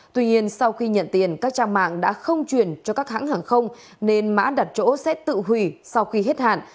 tuy nhiên sau khi nhận tiền các trang mạng đã không chuyển cho các hãng hàng không nên mã đặt chỗ sẽ tự hủy sau khi hết hạn